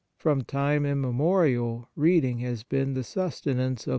From time immemorial, read ing has been the sustenance of the * John vii.